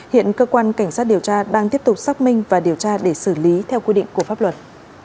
hiện cơ quan cảnh sát điều tra đang tiếp tục xác minh và điều tra để xử lý theo quy định của pháp luật